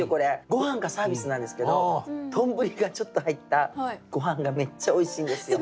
ごはんがサービスなんですけどとんぶりがちょっと入ったごはんがめっちゃおいしいんですよ。